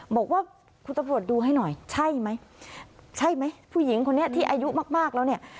บอกว่าคุณตำรวจดูให้หน่อยใช่ไหมใช่ไหมผู้หญิงคนนี้ที่อายุมากมากแล้วเนี่ย